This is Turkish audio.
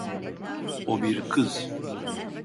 O bir kız.